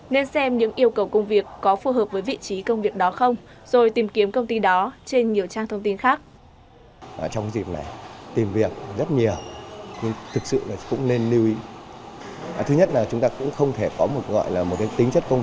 nên xem những yêu cầu công việc có phù hợp với vị trí công việc đó không rồi tìm kiếm công ty đó trên nhiều trang thông tin khác